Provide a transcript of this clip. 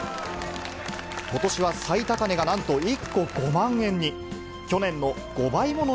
ことしは最高値がなんと１個５万円に。